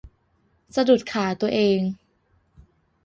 สะดุดขาตัวเอง